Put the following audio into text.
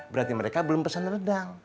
berarti mereka belum pesan rendang